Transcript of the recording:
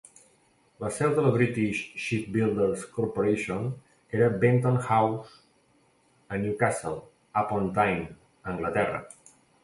La seu de la British Shipbuilders Corporation era a Benton House a Newcastle upon Tyne, Anglaterra.